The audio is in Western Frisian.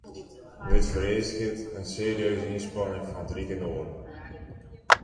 Dit fereasket in serieuze ynspanning fan it rike noarden.